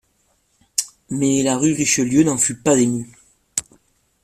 Mais la rue Richelieu n'en fut pas émue.